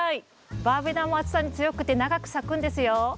バーベナも暑さに強くて長く咲くんですよ。